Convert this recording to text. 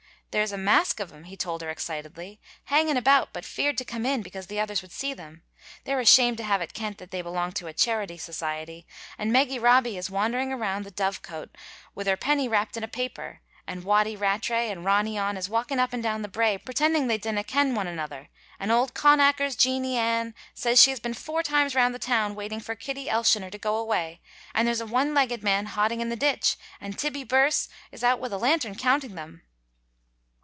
"There's a mask of them," he told her, excitedly, "hanging about, but feared to come in because the others would see them. They're ashamed to have it kent that they belong to a charity society, and Meggy Robbie is wandering round the Dovecot wi' her penny wrapped in a paper, and Watty Rattray and Ronny On is walking up and down the brae pretending they dinna ken one another, and auld Connacher's Jeanie Ann says she has been four times round the town waiting for Kitty Elshioner to go away, and there's a one leggit man hodding in the ditch, and Tibbie Birse is out wi' a lantern counting them."